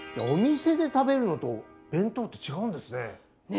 お店で食べるのと弁当って違うんですね。